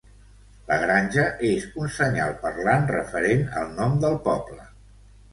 La granja és un senyal parlant referent al nom del poble.